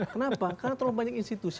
kenapa karena terlalu banyak institusi